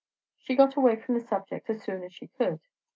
She got away from the subject as soon as she could.